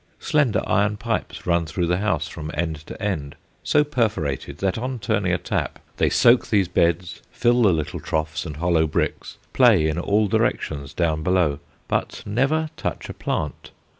Slender iron pipes run through the house from end to end, so perforated that on turning a tap they soak these beds, fill the little troughs and hollow bricks, play in all directions down below, but never touch a plant.